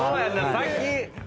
さっき。